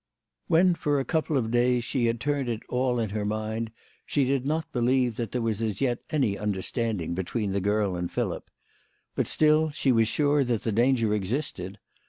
When for a couple of days she had turned it all in THE LADY OF LAUNAY. 123 her mind she did not believe that there was as yet any understanding between the girl and Philip. But still she was sure that the danger existed.